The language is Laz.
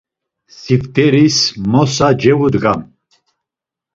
Sifteris mosa cevudgam.